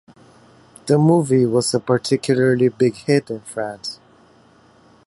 The movie was a particularly big hit in France.